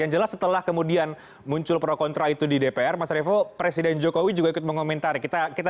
yang jelas setelah kemudian muncul pro kontra itu di dpr mas revo presiden jokowi juga ikut mengomentari